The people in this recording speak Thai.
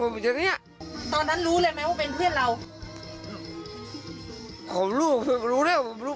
แค่กินก็แค่ธุลิเมื่อไหร่นะก็คงไม่รู้เลยนะเยอะมาก